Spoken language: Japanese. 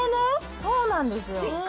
そうなんですよ。